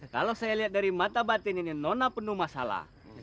kalau saya lihat dari mata batin ini nona penuh masalah